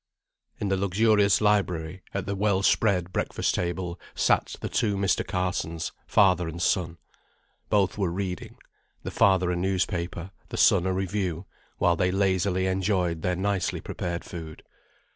In the luxurious library, at the well spread breakfast table, sat the two Mr. Carsons, father and son. Both were reading; the father a newspaper, the son a review, while they lazily enjoyed their nicely prepared food.